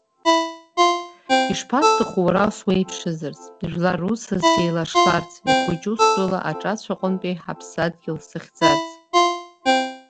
Ишԥасҭаху уара суеиԥшзарц жәлар русаз сеилашларц, ихәыҷу стәыла аҿацә аҟынтәи ҳаԥсадгьыл сахьӡарц.